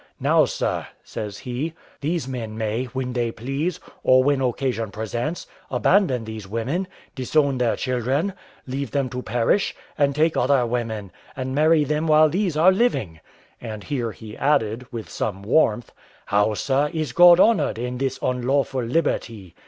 Now, sir," says he, "these men may, when they please, or when occasion presents, abandon these women, disown their children, leave them to perish, and take other women, and marry them while these are living;" and here he added, with some warmth, "How, sir, is God honoured in this unlawful liberty?